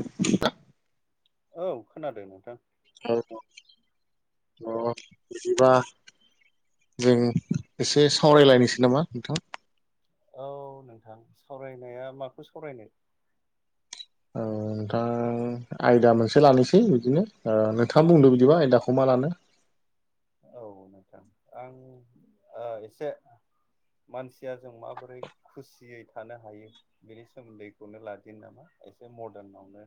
नयस औ खोनादों नोंथां औ अ बिदिबा जों एसे सावरायलायनोसै नामा नोंथां औ नोंथां सावरायनाया माखौ सावरायनो औ दा आयदा मोनसे लानोसै बिदिनो नोंथाङा बुंदो बिदिबा आयदाखौ मा लानो औ नोंथां आं एसे मानसिया जों माबोरै खुसियै थानो हायो बेनि सोमोन्दैखौनो लादिनो नामा एसे मदार्न आवनो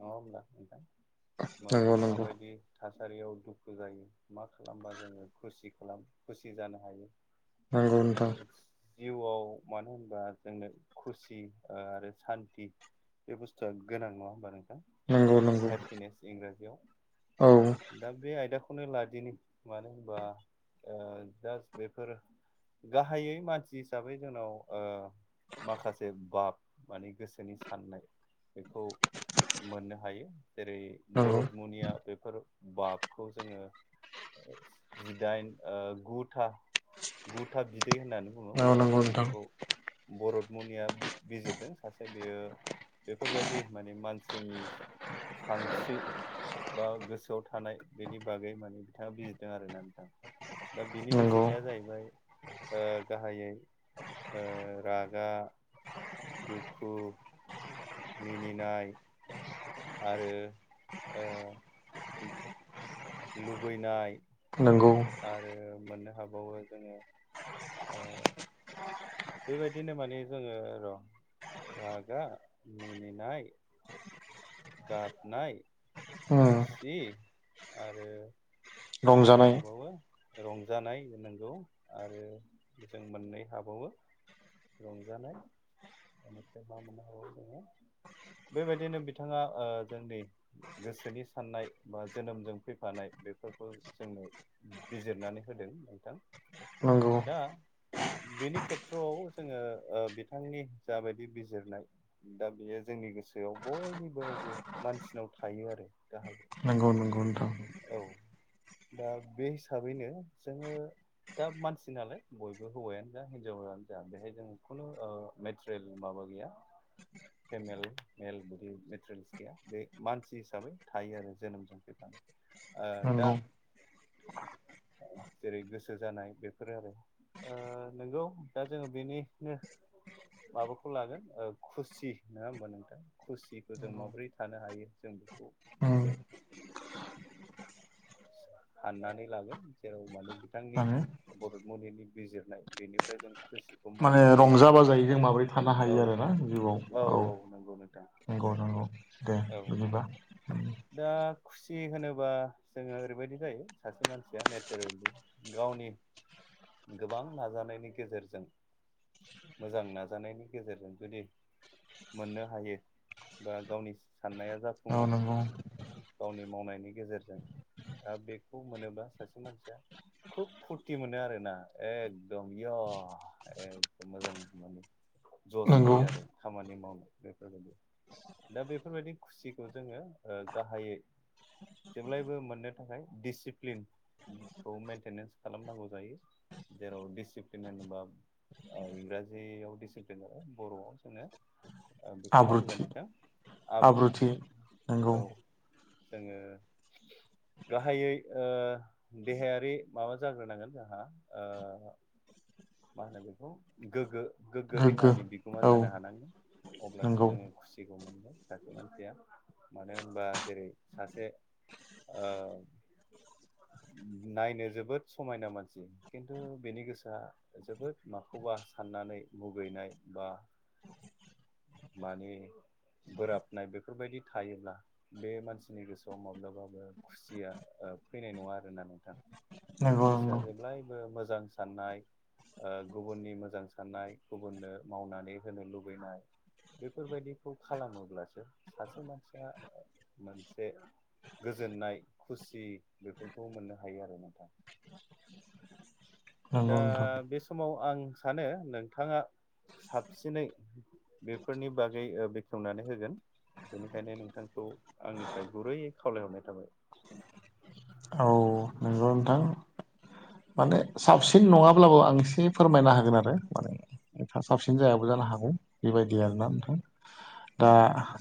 नङा होमब्ला नोंथां जों नंगौ नंगौ माबायदि थासारियाव दुखु जायो मा खालामबा जोङो खुसि खालाम खुसि जानो हायो नंगौ नोंथां जिउआव मानो होनबा जोंनो खुसि आरो सान्थि बे बुस्थुआ गोनां नङा होमबा नोंथां नंगौ नंगौ हेपिनेस औ इंराजियाव दा बे आयदाखौनो लादिनि मानो होनबा जास्ट बेफोर गाहायै मानसि हिसाबै जोंनाव ओ माखासे बाब माने गोसोनि साननाय बेखौ मोननो हायो जेरै नंगौ बरदमुनिया बेफोर बाबखौ जोङो जिदाइन ओ गु था गु था बिदै होननानै बुङो औ बर'आव नंगौ नोंथां बेखौ बरदमुनिया बिजिरदों सासे बेयो बेफोरबायदि माने मानसिनि सानस्रि बा गोसोआव थानाय बेनि बागै माने बिथाङा बिजिरदों आरोना नोंथां दा बिनि नंगौ बिजिरनाया जाहैबाय ओ गाहायै रागा दुखु मिनिनाय आरो ओ लुबैनाय नोंगौ आरो मोननो हाबावो जोङो ओ बेबायदिनो माने जोङो र' रागा मिनिनाय गाबनाय उम खुसि आरो जों मोननो रंजानाय हाबावो रंजानाय नोंगौ आरो जों मोननै हाबावो रंजानाय बेनिफ्राय मा मोननो हाबावो जोङो बेबायदिनो बिथाङा ओ जोंनि गोसोनि साननाय बा जोनोमजों फैफानाय बेफोरखौ जोंनो बिजिरनानै होदों नोंथां नंगौ दा बेनि खेथ्रआव जोङो ओ बिथांनि जाबायदि बिजिरनाय दा बेयो जोंनि गोसोआव बयनिावबो मानसिनाव थायो आरो गाहाय नोंगौ नोंगौ नोंथां औ दा बे हिसाबैनो जोङो दा मानसि नालाय बयबो हौवायानो जा हिनजाव आनो जा बेहाय जों खुनु मेटेरियेल माबा गैया [inaudible] फेमेल मेल बिदि मेटेरियेल्स गैया बे मानसि हिसाबै थायो आरो जोनोमजों फैना ओ दा नंगौ ओ जेरै गोसो जानाय बेफोरो आरो ओ नोंगौ दा जोङो बेनिनो माबाखौ लागोन ओ खुसि नङा होमबा नोंथां खुसिखौ जों नंगौ माबोरै थानो हायो जों बेखौ उम मोनसे हाननानै लागोन जेराव माने बिथांनि माने भहत मनिनि बिजिरनाय बेनिफ्राय जों खुसिखौ माने माबो रंजा बाजायै जों माबोरै थानो हायो आरोना जिउआव औ नंगौ नोंथां नंगौ नंगौ दे औ बिदिबा दा खुस सि होनोबा जोङो ओरैबायदि जायो सासे मानसिया नेचारेलि गावनि गोबां नाजानायनि गेजेरजों मोजां नाजानायनि गेजेरजों जुदि मोननो हायो बा गावनि साननाया औ जाफुङो नंगौ गावनि मावनायनि गेजेरजों दा बेखौ मोनोब्ला सासे मानसिया खुब फुरथि मोनो आरोना एकदम या एकदम मोजां मोनो जस नंगौ फैयो आरो खामानि मावनो बेफोरबायदि दा बेफोरबायदि खुसिखौ जोङो ओ गाहायै जेब्लायबो मोननो थाखाय डिसिप्लिनखौ मेन्टेनेन्स खालामनांगौ जायो जेराव डिसिप्लिन होनोबा औ इंराजियाव डिसिप्लिन आरो बर'आव जोंनो ओ बेखौ मा होनगोन आब्रुथि नोंथां आब्रुथि नंगौ औ जोङो गाहायै ओ देहायारि माबा जाग्रोनांगोन जोहा ओ मा होनो बेखौ गोग्गो-गोग्गो गोग्गो देहानि बिगोमा औ जानो हानांगोन। अब्लासो नंगौ जोङो खुसिखौ मोनबाय सासे मानसिया मानो होनबा जेरै सासे ओ नायनो जोबोद समायना मानसि खिन्थु बेनि गोसोआ जोबोद माखौबा साननानै मुगैनाय बा माने बोराबनाय बेफोरबायदि थायोब्ला बे मानसिनि गोसोआव माब्लाबाबो खुसिया ओ फैनाय नङा आरोना नोंथां बिनि नंगौ गोसोआ नंगौ जेब्लायबो मोजां साननाय, ओ गुबुननि मोजां साननाय गुबुननो मावनानै होनो लुबैनाय, बेफोरबायदिखौ खालामोब्लासो सासे मानसिया मोनसे गोजोननाय खुसि बेफोरखौ मोननो हायो आरो नथा दा नंगौ नोंथां बे समाव आं सानो नोंथाङा साबसिनै बेफोरनि बागै ओ बेखेवनानै होगोन। बेनिखायनो नोंथांखौ आंनिफ्राय गुरै खावलायहरनाय थाबाय। औ नंगौ नोंथां। द माने साबसिन नङाब्लाबो आं एसे फोरमायनो हागोन आरो माने एफा साबसिन जायाबो जानो हागौ। बेबायदि आरोना नोथां। दा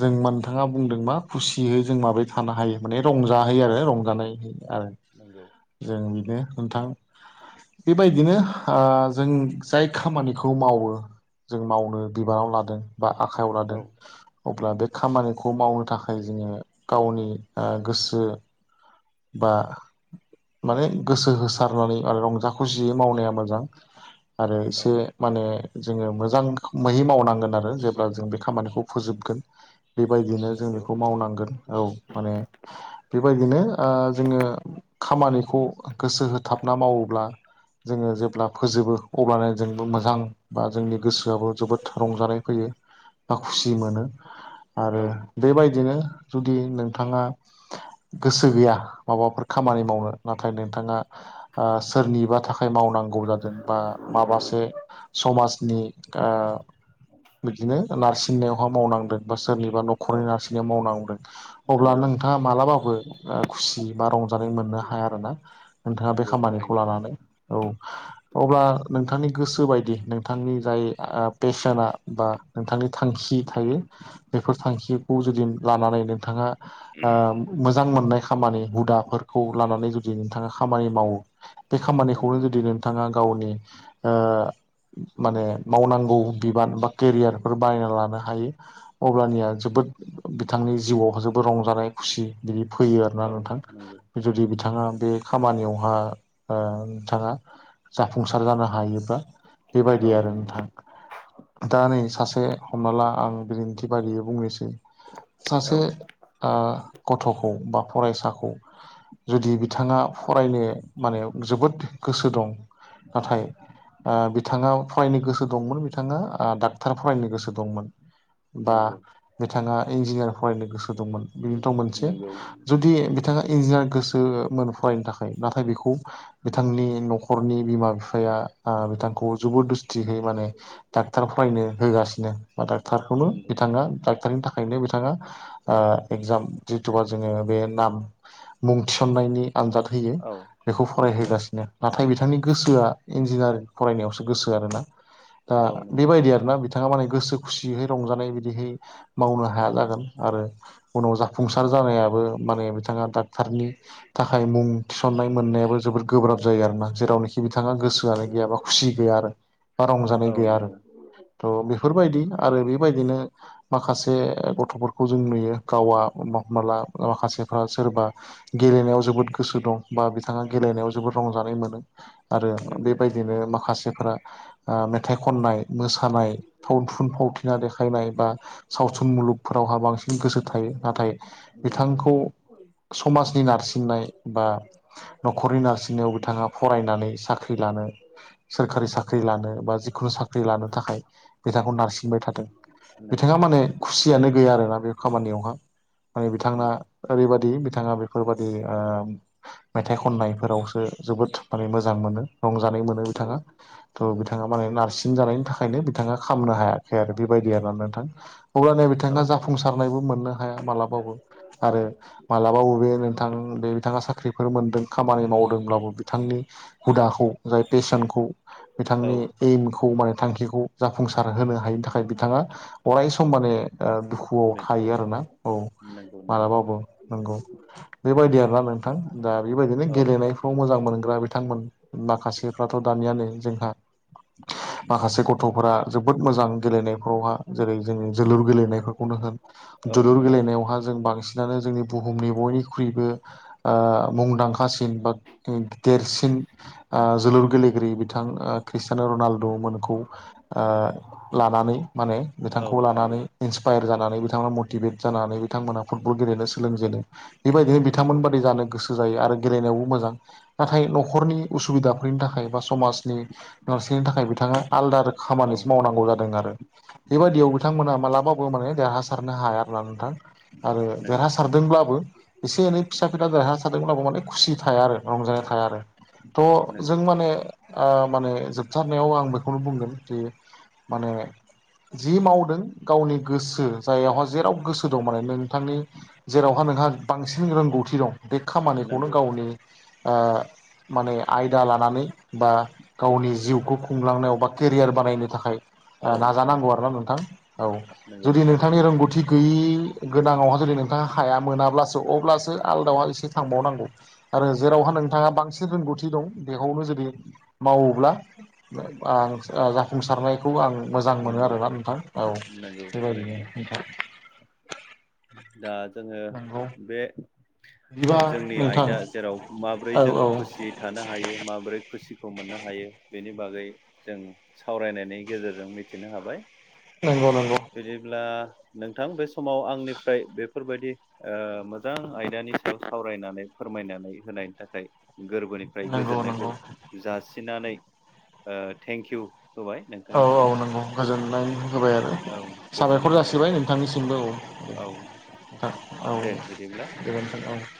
जों नोंथाङा बुंदों मा खुसियै जों माबारै थानो हायो माने रंजा जायो आरो औ रंजानाय आरो नंगौ। जों बिनो नोंथां बेबायदिनो आ जों जाय खामानिखौ मावो, जों मावनो बिबानाव लादों बा आखाइयाव लादों। अब्ला बे खामानिखौ मावनो थाखाय जोङो गावनि ओ गोसो बा। माने गोसो होसारनानै आरो रंजा खुसियै मावनाया मोजां। आरो एसे औ माने जोङो मोजां खोमहै मावनांगोन आरो जेब्ला जों बे खामानिखौ फोजोबगोन। बेबायदिनो जों नंगौ बेखौ मावनांगोन औ माने बेबायदिनो ओ जोङो खामानिखौ गोसो होथाबना मावोब्ला जोङो जेब्ला फोजोबो अब्लानो जोंबो मोजां बा जोंनि गोसोआबो जोबोद रंजानाय फैयो। बा खुसि मोनो आरो औ बेबायदिनो जुदि नोंथाङा गोसो गैया, माबाफोर खामानि मावनो नाथाय नोंथाङा आ सोरनिबा थाखाय मावनांगौ जादों बा माबासे समाजनि आ बिदिनो नारसिन सिन्नायावहा मावनांदों बा सोरनिबा औ न'खरनि नारसिननायाव मावनांदों अब्ला नंगौ नोंथाङा मालाबाबो आ खुसि बा रंजानाय मोननो हाया आरोना नोंथाङा बे नंगौ खामानिखौ थारैनो लानानै औ। अब्ला नोंथांनि गोसो बायदि नोंथांनि जाय आ पेसेना बा नोंथांनि थांखि थायो बेफोर थांखिखौ जुदि लानानै नोंथाङा आ मोंजां मोननाय खामानि हुदाफोरखौ लानानै जुद दि नोंथाङा खामानि मावो बे खामानिखौनो नंगौ जुदि नो थाङा गावनि अ माने मावनांगौ बिबान बा केरियार फोर बायना लानो हायो। अब्लानिया जोबोद बिथांनि जिउआव जोबोद रंजानाय खुसि बिदि फैयो आरोना औ नोंथां नंगौ जुदि बिथाङा बे खामानियावहा ओ नोंथाङा जाफुंसार जानो हायो। बा बेबायदि औ आरो नंगौ नोंथां। दा नै सासे हमना ला आं बिदिन्थि बायदियै बुंनोसै। औ सासे आ गथ'खौ बा फरायसाखौ। जुदि बिथाङा फरायनो माने जोबोद गोसो दं नाथाय आ बिथाङा फरायनो गोसो दंमोन बिथाङा आ डाक्टार फरायनो गोसो दंमोन। बा नंगौ बिथाङा इन्जिनियारि फरायनो गोसो दंमोन बेनिथ' मोनसे। नंगौ जुदि बिथाङा इन्जिनियार गोसोमोन फरायनो थाखाय नाथाय बेखौ। बिथांनि न'खरनि बिमा बिफाया आ बिथांखौ जबोद दुस्थियै माने‌ डाक्टार फरायनो होगासिनो बा डाक्टारखौनो नंगौ बिथाङा डाक्टारनि थाख बेखायनो बिथाङा आ एक्जाम जि थुबा जोङो बे नाम मुं थिसन्नायनि आनजाद होयो औ बेखौ नों फरायहोगासिनो। नाथाय बिथांनि गोसोआ इन्जिनियारिं फरायनायावसो गोसो आरोना दा औ नंगौ बेबायदि आरो ना बिथां। नोङा माने गोसो खुसियैै रंजानाय बिदिहै मावनो हाया जागोन आरो उनाव जाफुंसार डक्टार जानायाबो माने बिथाङा डाक्टारनि। थाखाय मुं थिसननाय मोननायाबो जबोद गोब्राब जायो आरोना जेरावनिखि बिथाङा गोसोआनो गैया बा खुसि गैया आरो बा रंजानाय औ गैया आरो। नंगौ थ' बेफोरबायदि आरो बेबायदिनो माखासे गथ'फोरखौ जों नुयो गावा। हमबा हमनाला माखासेफ्रा सोरबा गेलेनायाव जोबोद गोसो दं बा बिथाङा गेलेनायाव। जोबोद रंजानाय मोनो आरो नंगौ बेबायदिनो माखासेफ्रा आ मेथाइ खननाय। मोसानाय सावथुन फावथिना देखायनाय बा सावथुन मुलुगफोरावहा बांसिन गोसो थायो नाथाय नंगौ बिथांखौ। समाजनि नारसिननाय बा न'खरनि नारसिननायाव बिथाङा फरायनानै साख्रि लानो। सोरखारि साख्रि लानो बा जिखुनु साख्रि लानो थाखाय बिथांखौ नारसिनबाय थादों नंगौ बिथाङा माने। खुसियानो गैया आरोना बे खामानियावहा। माने बिथांआ नंगौ ओरैबादि बिथाङा बेफोरबादि आम मेथाइ खननायफोरावसो जोबोद माने मोजां मोनो रंजानाय मोनो औ बिथाङा। थ' बिथाङा माने नारसिन जानायनि थाखायनो बिथाङा खामनो हायाखै आरो बेबायदि आरो ना नोंथां। अब्लानो औ बिथाङा जाफुंसारनायबो मोननो हाया मालाबाबो। आरो मालाबा बबे नोंथां बे बिथाङा साख्रिफोर मोन्दों खामानि मावदोंब्लाबो। बिथांनि हुदाखौ जाय पेसेनखौ औ बिथांनि एइमखौ माने थांखिखौ। जाफुंसार होनो हायिनि थाखाय बिथाङा अराय सम माने ओ दुखुआव बेखौ थायो आरोना‌। औ नंगौ नंगौ मालाबाबो नंगौ बेबायदि आरोना नोंथां दा बेबायदिनो औ गेलेनाय। थ' मोजां मोनग्रा बिथांमोन माखासेफ्राथ' दानियानो जोंहा। माखासे गथ'फोरा जोबोद मोजां गेलेनायफ्रावहा। जेरै जोंनि जोलुर गेलेनायफोरखौनो होन। औ नंगौ बवहा जों बांसिनानो जोंनि बुहुमनि बयनिख्रुइबो। ओ मुंदांखासिन बा दे देरसिन थिं आ जोलुर गेलेगिरि बिथां आ क्रिस्टियान' रनाल्द' मोनखौ। आ लानानै माने औ बिथांखौ नंगौ लानानै। इन्सपायार जानानै बिथांआ मटिभेट जानानै। बिथांमोना फुटबल गेलेनो सोलोंजेनो बेबायदिनो नंगौ बिथांमोन बादि जानो गोसो। गो जायो आरो गेलेनायावबो मोजां नाथाय न'खरनि उसुबिदाफोरनि थाखाय बा समाजनि। नारसिन थाखाय बिथाङा आलादा औ खामानिसो मावनांगौ जादों आरो नंगौ बेबायदियाव बिथांमोना मालाबा। खौ माने देरहासारनो हायाब्ला नोंथां आरो नंगौ देरहासारदोंब्लाबो। एसे एनै फिसा फिला देरहासारदोंमोनब्लाबो माने खुसि थाया आरो रंजानाय थाया आरो। थ' नंगौ जों माने ओ माने जोबथारनायाव आं बेखौनो बुंगोन कि। माने जि मावदों गावनि गोसो जाययावहा जेराव। गोसो दं माने नोंथांनि जेरावहा नोंहा बांसिन रोंगौथि दं बे खामानिखौनो नंगौ गावनि। आ माने आयदा लानानै बा। गावनि जिउखौ खुंलांनायाव बा केरियार बानायनो थाखाय। आ औ नाजानांगौ नंगौ आरो ना नोंथां औ नंगौ जुदि नोंथांनि थारैनो रोंगौ। गैयि गोनाङावहा जुदि नोंथाङा हाया मोनाब्लासो अब्लासो आलदाहा एसे थांबावनांगौ आरो जेरावहा नोंथाङा बांसिन रोंगौथि दं बेखौनो जुदि मावोब्ला आं जाफुंसारनायखौ आं मोजां मोनो नंगौ आरोना नोंथां औ। नंगौ बेबायदिनो थारैनो नोंथां। दा जोङो नंगौ बे बिदिबा जोंनि नोंथां आयदा जेराव माबोरै औ जों औ खुसि थानो हायो माबोरै खुसिखौ मोननो हायो बेनि बागै जों सावरायनायनि गेजेरजों मिथिनो हाबाय नंगौ नंगौ बिदिब्ला नोंथां बे समाव आंनिफ्राय बेफोरबायदि ओ मोजां आयदानि सायाव सावरायनानै फोरमायनानै होनायनि थाखाय गोरबोनि फ्राय नंगौ गोजोननायखौ नंगौ जासिनानै ओ थेंक इउ होबाय औ औ नोंथांनिसिम नंगौ गोजोननाय होबाय आरो औ साबायखर गोजोननाय होबाय जासिबाय नोंथांनिसिमबो औ। औ ओ औ दे बिदिब्ला गोजोन्थों औ।